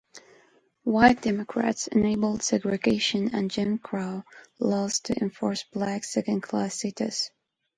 White Democrats enacted segregation and Jim Crow laws to enforce blacks' second-class status.